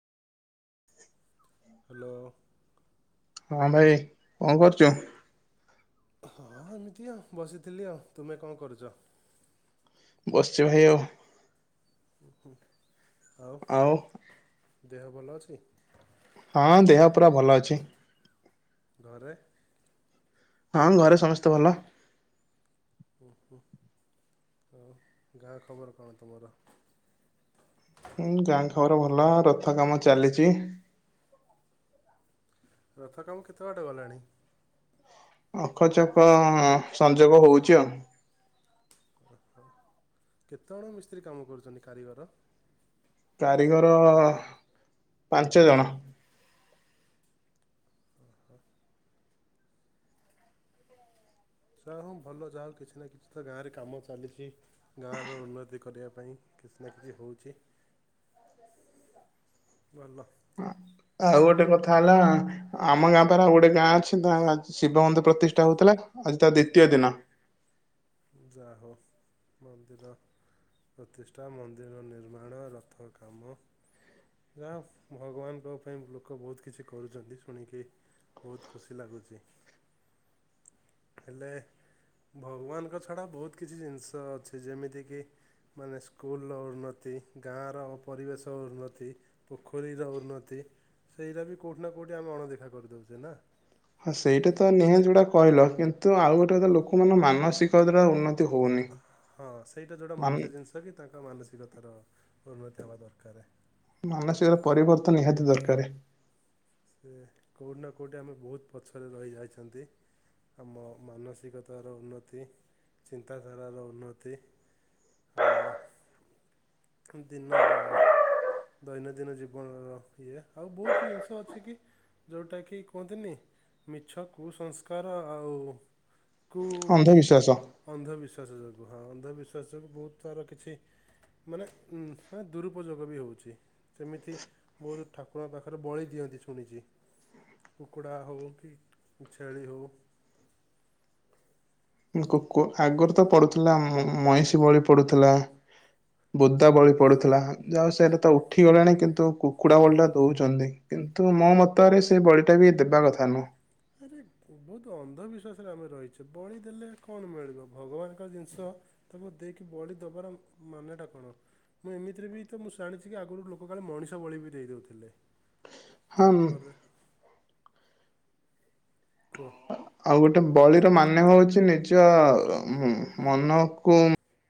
Hello. ହଁ ଭାଇ କଣ କରୁଛୁ? ହଁ ଏମିତି ଆଉ ବସିଥିଲି ଆଉ। ତୁମେ କଣ କରୁଛ? ବସିଛୁ ଭାଇ ଆଉ। ଉହୁଁ ଆଉ ଦେହ ଭଲ ଅଛି? ହଁ ଦେହ ପୁରା ଭଲ ଅଛି। ଘରେ? ହଁ ଘରେ ସମସ୍ତେ ଭଲ। ହୁ ହୁଁ ହଉ ଗାଁ ଖବର କଣ ତୁମର? ହୁଁ ଗାଁ ଖବର ଭଲ ରଥ କାମ ଚାଲିଛି। ରଥ କାମ କେତେ ବାଟ ଗଲାଣି? ଅଖଚକ ସଂଯୋଗ ହୋଉଛି ଆଉ। ଓହୋ କେତେଜଣ ମିସ୍ତ୍ରୀ କାମ କରୁଛନ୍ତି କାରିଗର? କାରିଗର ପାଞ୍ଚ ଜଣ। ଓହୋ। ଯାହା ହୋଉ ଭଲ ଯାହା ହଉ କିଛି ନା କିଛି ତ ଗାଁରେ କାମ ଚାଲିଛି। ଗାଁର ଉନ୍ନତି କରିବା ପାଇଁ କିଛି ନା କିଛି ହେଉଛି। ଆଜ ଭଲ। ଆ ଆଉ ଗୋଟେ କଥା ହେଲା ଆମ ଗାଁ ପରେ ଗୋଟେ ଗାଁ ଅଛି ତା ଶିବ ମନ୍ଦିର ପ୍ରତିଷ୍ଠା ହଉଥିଲା ଆଜି ତା ଦ୍ଵୀତିୟ ଦିନ। ଯାହାହୋଉ ମନ୍ଦିର ପ୍ରତିଷ୍ଠା ମନ୍ଦିର ନିର୍ମାଣ ରଥ କାମ ଯାହା ଭଗବାନଙ୍କ ପାଇଁ ଲୋକ ବହୁତ କିଛି କରୁଛନ୍ତି ଶୁଣିକି ବହୁତ ଖୁସି ଲାଗୁଛି ହେଲେ ଭଗବାନ ଙ୍କ ଛାଡ଼ ବହୁତ କିଛି ଜିନିଷ ଅଛି ଯେମିତି କିି ମାନେ ସ୍କୁଲର ଉନ୍ନତି ଗାଁର ପରିବେଶ ଉନ୍ନତି। ପୋଖରୀର ଉନ୍ନତି ସେଇଟା ବି କେଉଁଠି ନା କେଉଁଠି ଆମେ ଅଣଦେଖା କରିଦେଉଛେ ନା। ହଁ ସେଇଟା ତ ନିହାତି ଯୋଉଟା କହିଲ କିନ୍ତୁ ଆଉ ଗୋଟେ ଲୋକମାନ ମାନସିକତାଟା ଉନ୍ନ ହଁ ସେଇଟା ଯେଉଁଟା ମୁଖ୍ୟ ଜିନିଷ କି ତାଙ୍କ ମାନସିକତାର ଉନ୍ନତି ହେବା ଦରକାର। ମାନସିକତା ପରିବର୍ତ୍ତନ ନିହାତି ଦରକାର। ସେ କେଉଁଠି ନା କେଉଁଠି ଆମେ ବହୁତ ପଛରେ ରହିଯାଇଛନ୍ତି। ଆମ ମାନସିକତାର ଉନ୍ନତି ଚିନ୍ତାଧାରାର ଉନ୍ନତି ଆମ ଦିନ ଦୈନନ୍ଦିନ ଜୀବନର ଇଏ ଆଉ ବହୁତ ଜିନିଷ ଅଛି କି ଯେଉଁଟାକି କୁହନ୍ତିନି ମିଛ କୁସଂସ୍କାର ଆଉ କୁ ଅନ୍ଧବିଶ୍ୱାସ ଅନ୍ଧବିଶ୍ୱାସ ଯୋଗୁଁ ହଁ ଅନ୍ଧବିଶ୍ୱାସ ଯୋଗୁଁ ବହୁତ ସାର କିଛି ମାନେ ଉ ଦୁରୁପଯୋଗ ବି ହେଉଛି। ସେମିତି ବହୁତ ଠାକୁରଙ୍କ ପାଖରେ ବଳି ଦିଅନ୍ତି ଶୁଣିଛି କୁକୁଡ଼ା ହଉ କି ଛେଳି ହଉ କୁ କୁ ଆଗରୁ ତ ପଡୁଥିଲା ମ ମଇଷି ଭଳି ପଡୁଥିଲା ବୁଦାବଳି ପଡୁଥିଲା ଯାହା ହୋଉ ସେଟା ତ ଉଠିଗଲାଣି କିନ୍ତୁ କୁକୁଡ଼ା ଭଳି ଟା ଦଉଛନ୍ତି କିନ୍ତୁ ମୋ ମତରେ ସେ ବଳିଟା ବି ଦେବା କଥା ନୁହଁ ସରେ ବହୁତ ଅନ୍ଧବିଶ୍ୱାସରେ ଆମେ ରହିଛେ ବଳି ଦେଲେ କଣ ମିଳିବ ଭଗବାନଙ୍କର ଜିନିଷ ତାକୁ ଦେଇକି ବଳି ଦବାର ମାନେ ଟା କଣ ମୁଁ ଏମିତିରେ ବି ତ ମୁଁ ଜାଣିଛି କି ଆଗରୁ ଲୋକ କାଳେ ମଣିଷ ବଳି ବି ଦେଇଦଉଥିଲେ ହଁ ତାପରେ କୁହ। ଆଉ ଗୋଟେ ବଳିର ମାନେ ହଉଛି ନିଜଉ ହୁ ମନକୁ